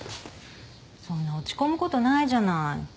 そんな落ち込むことないじゃない。